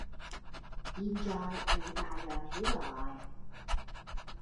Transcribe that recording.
現在你大嚷起來，